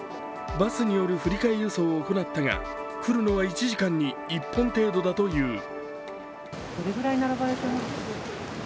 バスによる振り替え輸送を行ったが来るのは１時間に１本程度だという。